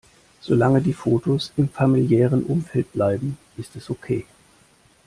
Solange die Fotos im familiären Umfeld bleiben, ist es okay.